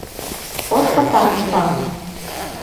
Ош потам ӱшталын